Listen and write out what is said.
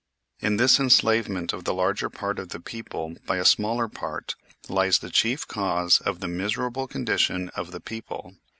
In this enslavement of the larger part of the people by a smaller part lies the chief cause of the miserable condition of the people.